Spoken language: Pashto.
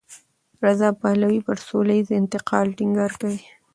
رضا پهلوي پر سولهییز انتقال ټینګار کوي.